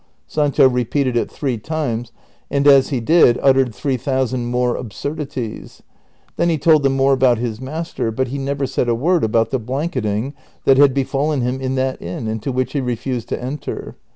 Sancho repeated it three times, and as he did, uttered three thousand more absurdities ; then he told them more about his master ; but he never said a word about the blanket ing that had befallen lumself in that inn, into which he refused to enter.